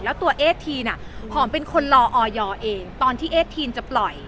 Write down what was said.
แล้วตัวเอสทีนหอมเป็นคนรอออยเองตอนที่เอสทีนจะปล่อย